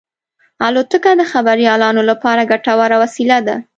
الوتکه د خبریالانو لپاره ګټوره وسیله ده.